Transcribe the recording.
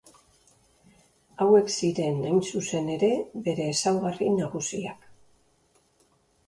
Hauek ziren hain zuzen ere bere ezaugarri nagusiak.